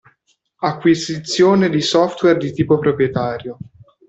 Acquisizione di software di tipo proprietario.